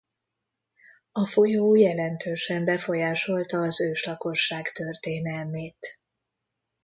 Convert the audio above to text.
A folyó jelentősen befolyásolta az őslakosság történelmét.